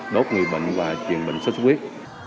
đốt người bệnh và truyền bệnh sốt khuyết